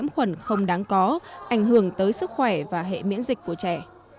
khuẩn không đáng có ảnh hưởng tới sức khỏe và hệ miễn dịch của trẻ